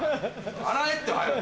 洗えって早く。